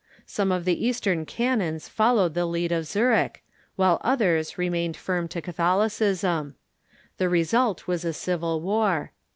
Some of the eastern cantons followed the lead of Zurich, while oth ers remained firm to Catholicism. The result was a civil war.